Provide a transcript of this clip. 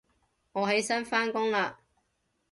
我起身返工喇